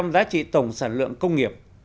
ba mươi giá trị tổng sản lượng công nghiệp